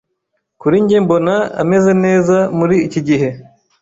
Kuri njye mbona ameze neza muri iki gihe.